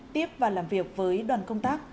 tiếp và làm việc với đoàn công tác